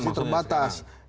jadi instan maksudnya sekarang